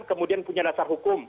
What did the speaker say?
kemudian punya dasar hukum